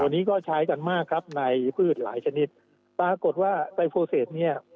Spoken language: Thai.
อันนี้ก็ใช้กันมากครับในพืชหลายชนิดปรากฏว่าไตโฟเซตเนี่ย